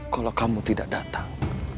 kalau kamu tidak datang